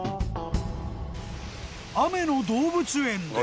［雨の動物園で］